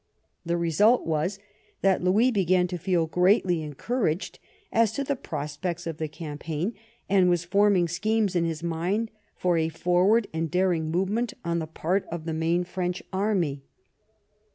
The result was that Louis began to feel greatly encouraged as to the prospects of the cam paign, and was forming schemes in his mind for a for ward and daring movement on the part of the main French army.